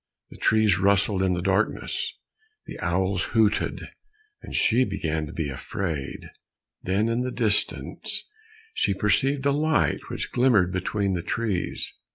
The trees rustled in the darkness, the owls hooted, and she began to be afraid. Then in the distance she perceived a light which glimmered between the trees.